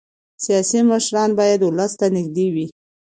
سیاسي مشران باید ولس ته نږدې وي